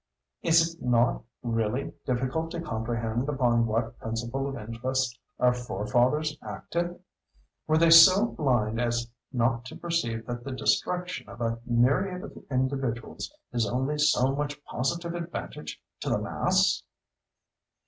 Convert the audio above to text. Is it not really difficult to comprehend upon what principle of interest our forefathers acted? Were they so blind as not to perceive that the destruction of a myriad of individuals is only so much positive advantage to the mass!